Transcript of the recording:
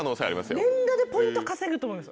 連打でポイント稼ぐと思います。